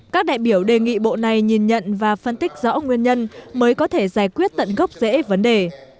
các đại biểu đề nghị bộ này nhìn nhận và phân tích rõ nguyên nhân mới có thể giải quyết tận gốc dễ vấn đề